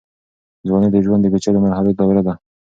ځوانۍ د ژوند د پېچلو مرحلو دوره ده.